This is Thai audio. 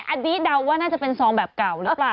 อันนี้เดาว่าน่าจะเป็นซองแบบเก่าหรือเปล่า